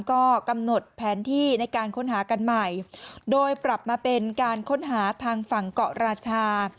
ก็กำหนดแผนที่ในการค้นหากันใหม่โดยปรับมาเป็นการค้นหาทางฝั่งเกาะราชา